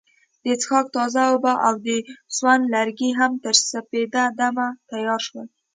د څښاک تازه اوبه او د سون لرګي هم تر سپیده دمه تیار شول.